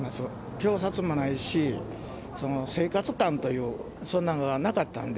表札もないし、その生活感という、そんなんがなかったんで。